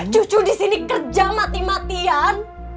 cucu di sini kerja mati matian